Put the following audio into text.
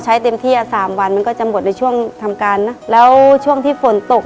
ในแคมเปญพิเศษเกมต่อชีวิตโรงเรียนของหนู